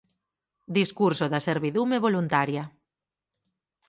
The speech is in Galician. Discurso da servidume voluntaria